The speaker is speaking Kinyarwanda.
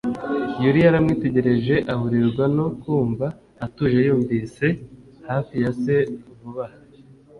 Yully yaramwitegereje, aburirwa no kumva atuje yumvise hafi ya se vuba aha.